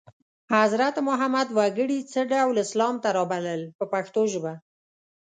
حضرت محمد وګړي څه ډول اسلام ته رابلل په پښتو ژبه.